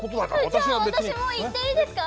じゃあ私も行っていいですか？